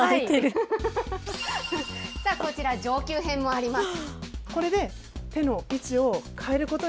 こちら、上級編もあります。